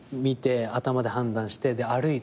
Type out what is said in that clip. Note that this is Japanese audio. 頭で判断して歩いて。